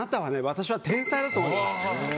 私は天才だと思います。